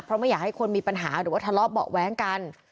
เพราะไม่อยากให้คนมีปัญหาหรือว่าทะเลาะเบาะแว้งกัน